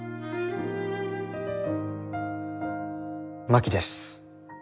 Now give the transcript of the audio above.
真木です。